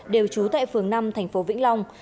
đều trú tại phường năm thành phố vĩnh long